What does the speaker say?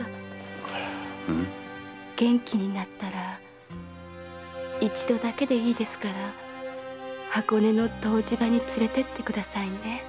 元気になったら一度だけでいいですから箱根の湯治場に連れてってくださいね。